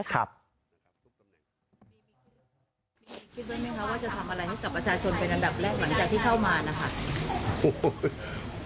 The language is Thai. คิดไหมครับว่าจะทำอะไรให้กับประชาชนเป็นอันดับแรก